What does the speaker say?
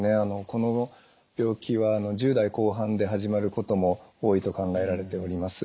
この病気は１０代後半で始まることも多いと考えられております。